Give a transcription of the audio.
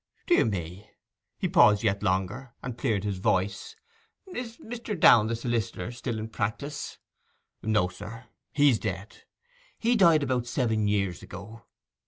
'Dear me!' He paused yet longer, and cleared his voice. 'Is Mr. Downe, the solicitor, still in practice?' 'No, sir, he's dead. He died about seven years ago.